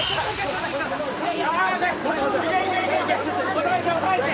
押さえて押さえて。